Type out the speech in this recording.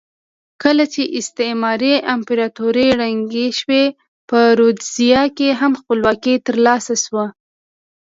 کله چې استعماري امپراتورۍ ړنګې شوې په رودزیا کې هم خپلواکي ترلاسه شوه.